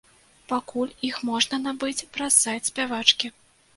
Пакуль іх можна набыць праз сайт спявачкі.